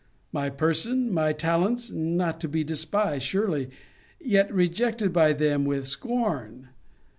My person, my talents not to be despised, surely yet rejected by them with scorn.